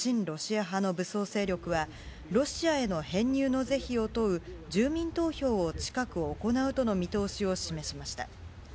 ロシア派の武装勢力はロシアへの編入の是非を問う住民投票を近く行うとの見通しを示しました。